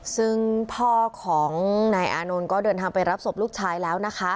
ซึ่งพ่อของอานนทร์ก็เดินทางไปรับสมบันดาลลูกชายแล้ว